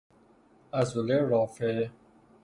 عضله رافعه